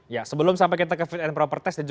ya sebelum sampai kita ke fit and proper test